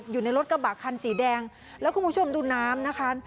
อยู่ในรถกระบะคันสีแดงแล้วคุณผู้ชมดูน้ำนะคะ